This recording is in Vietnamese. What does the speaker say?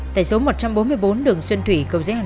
tại số một trăm bốn mươi bốn đường xuân thủy cầu giới thông